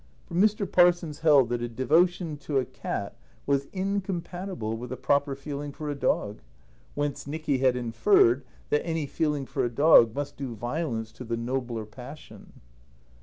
For Mr. Parsons held that a devotion to a cat was incompatible with a proper feeling for a dog, whence Nicky had inferred that any feeling for a dog must do violence to the nobler passion.